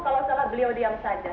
kalau salah beliau diam saja